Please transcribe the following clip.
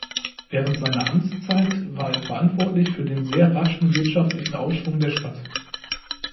Während seiner Amtszeit war er verantwortlich für den sehr raschen wirtschaftlichen Aufschwung der Stadt.